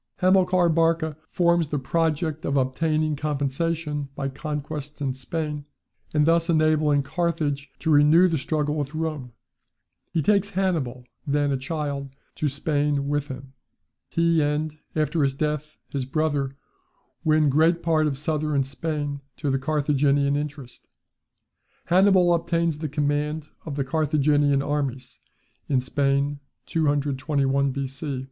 Hamilcar Barca forms the project of obtaining compensation by conquests in Spain, and thus enabling Carthage to renew the struggle with Rome. He takes Hannibal (then a child) to Spain with him. He and, after his death, his brother, win great part of southern Spain to the Carthaginian interest. Hannibal obtains the command of the Carthaginian armies in Spain, 221 B.C.